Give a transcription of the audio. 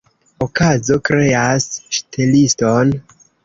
Okazo kreas ŝteliston.